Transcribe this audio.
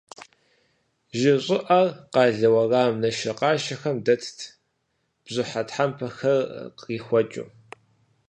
Жьы щӏыӏэр къалэ уэрам нашэкъашэхэм дэтт, бжьыхьэ тхьэмпэхэр кърихуэкӏыу.